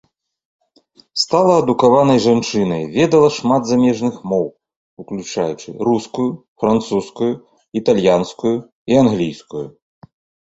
Стала адукаванай жанчынай, ведала шмат замежных моў, уключаючы рускую, французскую, італьянскую і англійскую.